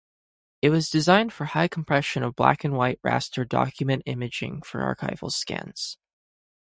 It was designed for high compression of black-and-white raster Document Imaging for archival scans.